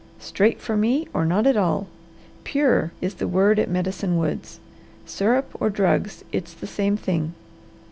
Straight for me or not at all. Pure is the word at Medicine Woods; syrup or drugs it's the same thing.